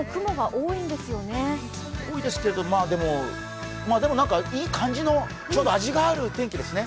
多いですけれどもでもなんか、いい感じの、ちょうど味がある天気ですね。